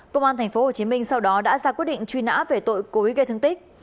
công an tp hcm sau đó đã ra quyết định truy nã về tội cối gây thương tích